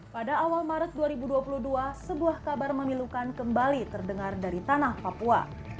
pada awal maret dua ribu dua puluh dua sebuah kabar memilukan kembali terdengar dari tanah papua